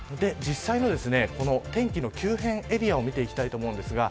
実際の天気の急変エリアを見ていきたいと思います。